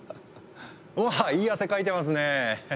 おっいい汗かいてますね！